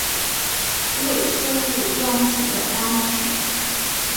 未收录专辑的单曲